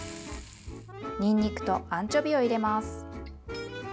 にんにくとアンチョビを入れます。